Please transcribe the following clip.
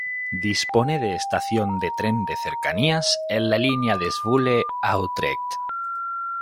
Dispone de estación de tren de cercanías en la línea de Zwolle a Utrecht.